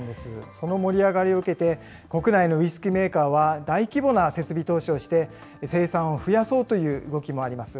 その盛り上がりを受けて、国内のウイスキーメーカーは、大規模な設備投資をして、生産を増やそうという動きもあります。